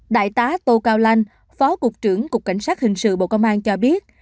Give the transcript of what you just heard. đại tá tô cao lanh phó cục trưởng cục cảnh sát hình sự bộ công an cho biết